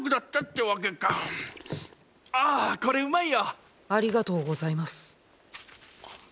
ああこれうまいよ！ありがとうございます。